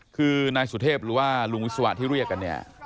คือนายสุเทพหรือว่าลุงวิศวะที่เรียกกันเนี่ย